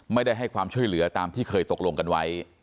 ไม่ได้ให้ความช่วยเหลือตามที่เคยตกลงกันไว้